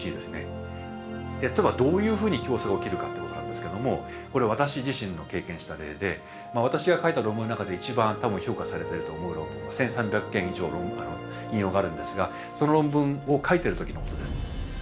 例えばどういうふうに競争が起きるかってことなんですけどもこれは私自身の経験した例で私が書いた論文の中で一番多分評価されてると思う論文１，３００件以上引用があるんですがその論文を書いてる時のことです。